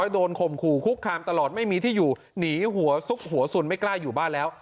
โดนข่มขู่คุกคามตลอดไม่มีที่อยู่หนีหัวซุกหัวสุนไม่กล้าอยู่บ้านแล้ว